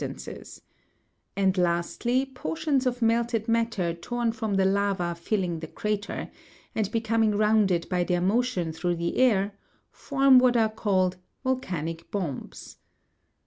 tances ; and lastly, portions of melted matter torn from the lava filling the crater, and becoming rounded by their motion through the air, form what are called volcanic bombs.